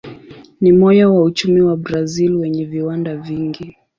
Ni moyo wa uchumi wa Brazil wenye viwanda vingi.